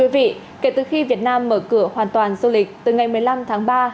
vị kể từ khi việt nam mở cửa hoàn toàn du lịch từ ngày một mươi năm tháng ba